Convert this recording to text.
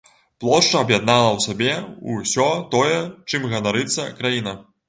Плошча аб'яднала ў сабе ўсё тое, чым ганарыцца краіна.